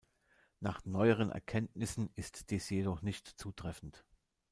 Nach neueren Erkenntnissen ist dies jedoch nicht zutreffend.